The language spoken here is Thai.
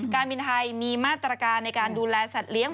การบินไทยมีมาตรการในการดูแลสัตว์เลี้ยง